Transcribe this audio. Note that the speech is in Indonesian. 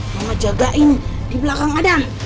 mama jagain di belakang adam